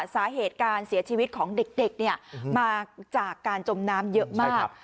สาเหตุการเสียชีวิตของเด็กมาจากการจมน้ำเยอะมาก